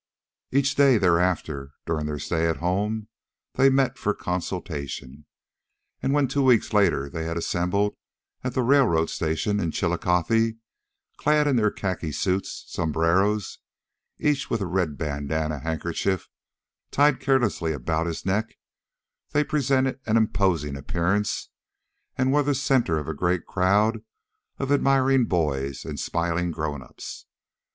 Each day thereafter, during their stay at home, they met for consultation, and when two weeks later they had assembled at the railroad station in Chillicothe, clad in their khaki suits, sombreros, each with a red bandanna handkerchief tied carelessly about his neck, they presented an imposing appearance and were the centre of a great crowd of admiring boys and smiling grown ups.